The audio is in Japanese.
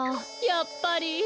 やっぱり。